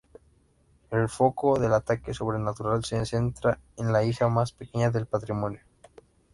El foco del ataque sobrenatural se centra en la hija más pequeña del matrimonio.